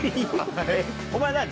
お前何？